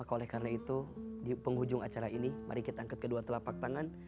oleh karena itu di penghujung acara ini mari kita angkat kedua telapak tangan